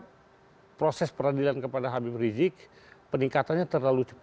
karena proses peradilan kepada habib rizik peningkatannya terlalu cepat